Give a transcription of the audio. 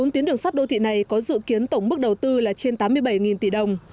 bốn tuyến đường sắt đô thị này có dự kiến tổng mức đầu tư là trên tám mươi bảy tỷ đồng